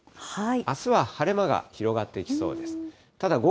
あすは晴れ間が広がってきそうです。